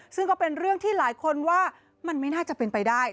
ซึ่งก็เป็นเรื่องที่หลายคนว่ามันไม่น่าจะเป็นไปได้